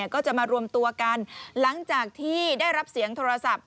ก็จะมารวมตัวกันหลังจากที่ได้รับเสียงโทรศัพท์